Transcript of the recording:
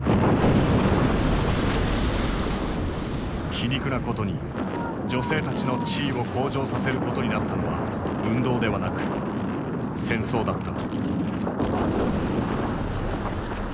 皮肉なことに女性たちの地位を向上させることになったのは運動ではなく戦争だった。